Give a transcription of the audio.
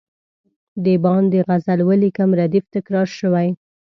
د باندي غزل ولیکم ردیف تکرار شوی.